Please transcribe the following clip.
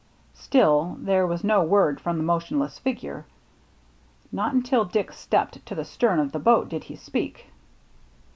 " Still there was no word from the motionless figure. Not until Dick stepped to the stern of the boat did he speak.